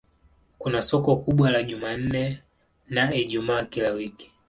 Kuna soko kubwa la Jumanne na Ijumaa kila wiki.